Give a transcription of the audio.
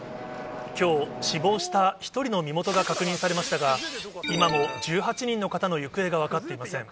きょう、死亡した１人の身元が確認されましたが、今も１８人の方の行方が分かっていません。